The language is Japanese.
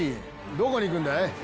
どこに行くんだい？